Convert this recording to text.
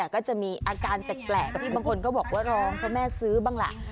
ก็จะมีอาการแปลกที่บางคนก็บอกว่าร้องเพราะแม่ซื้อบ้างล่ะ